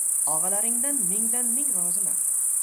Og‘alaringdan mingdan ming roziman.